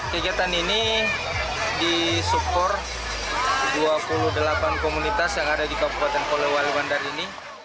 kegiatan ini disupport dua puluh delapan komunitas yang ada di kabupaten polewali mandar ini